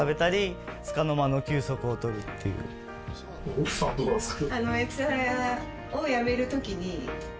奥さんどうなんですか？